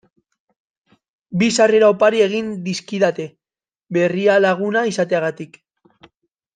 Bi sarrera opari egin dizkidate Berrialaguna izateagatik.